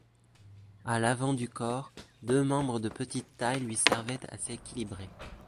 À l’avant du corps, deux membres de petite taille lui servaient à s’équilibrer.